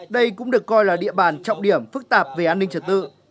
đây cũng được coi là địa bàn trọng điểm phức tạp về an ninh trật tự